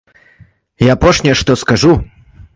І апошняе, што скажу.